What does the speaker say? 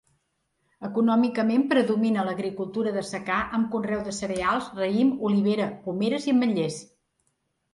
Econòmicament predomina l'agricultura de secà amb conreu de cereals, raïm, olivera, pomeres i ametlers.